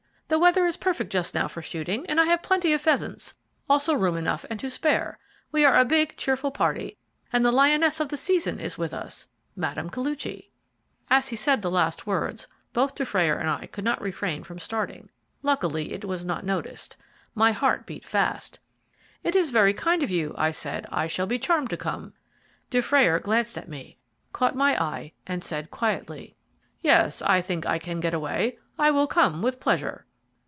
The weather is perfect just now for shooting, and I have plenty of pheasants, also room enough and to spare. We are a big, cheerful party, and the lioness of the season is with us, Mme. Koluchy." As he said the last words both Dufrayer and I could not refrain from starting. Luckily it was not noticed my heart beat fast. "It is very kind of you," I said. "I shall be charmed to come." Dufrayer glanced at me, caught my eye, and said quietly: "Yes, I think I can get away. I will come, with pleasure."